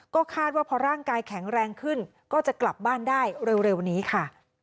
ก็คาดว่าพอร่างกายแข็งแรงขึ้นก็จะกลับบ้านได้เร็วนี้ค่ะ